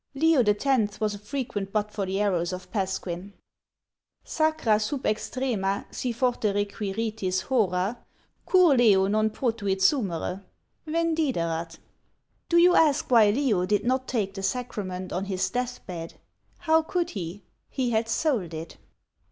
Leo X. was a frequent butt for the arrows of Pasquin: Sacra sub extremâ, si forte requiritis, horâ Cur Leo non potuit sumere; vendiderat. "Do you ask why Leo did not take the sacrament on his death bed? How could he? He had sold it!"